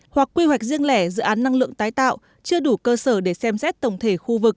hoặc quy hoạch riêng lẻ dự án năng lượng tái tạo chưa đủ cơ sở để xem xét tổng thể khu vực